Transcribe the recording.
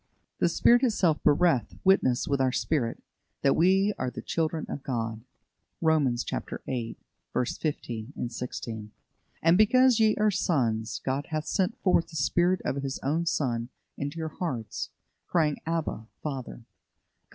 The Spirit itself beareth witness with our spirit, that we are the children of God" (Romans viii. 15, 16). "And because ye are sons, God hath sent forth the Spirit of His Son into your hearts, crying, Abba, Father" (Gal.